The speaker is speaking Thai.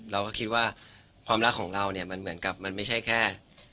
เราก็คิดว่าความรักของเราเนี่ยมันเหมือนกับมันไม่ใช่แค่